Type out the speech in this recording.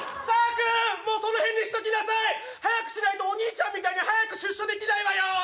タ君もうその辺にしときなさい早くしないとお兄ちゃんみたいに早く出所できないわよ